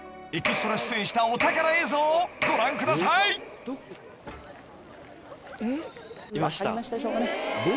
エキストラ出演したお宝映像をご覧ください］